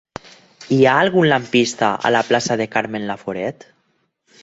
Hi ha algun lampista a la plaça de Carmen Laforet?